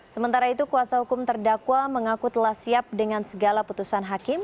sementara itu kuasa hukum terdakwa mengaku telah siap dengan segala putusan hakim